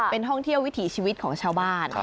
เป็นท่องเที่ยววิถีชีวิตของชาวบ้าน